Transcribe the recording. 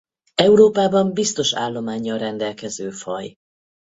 Európában biztos állománnyal rendelkező faj.